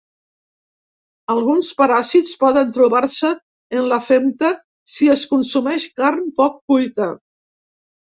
Alguns paràsits poden trobar-se en la femta si es consumeix carn poc cuita.